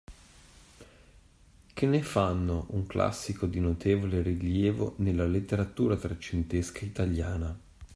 Che ne fanno un classico di notevole rilievo nella letteratura trecentesca italiana